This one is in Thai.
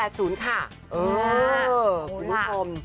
เออดูคลุม